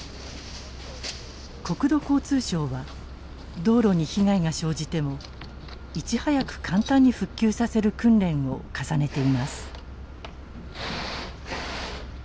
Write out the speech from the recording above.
国土交通省は道路に被害が生じてもいち早く簡単に復旧させる訓練を重ねています。